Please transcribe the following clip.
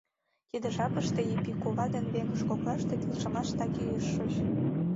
Тиде жапыште Епи кува ден веҥыж коклаште келшымаш так и ыш шоч.